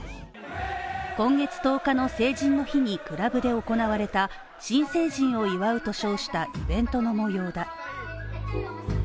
今月１０日の成人の日にクラブで行われた新成人を祝うと称したイベントの模様だ。